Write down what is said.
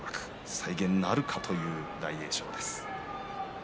再現なるかという大栄翔です。